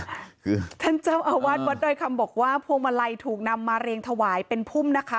คือท่านเจ้าอาวาสวัดดอยคำบอกว่าพวงมาลัยถูกนำมาเรียงถวายเป็นพุ่มนะคะ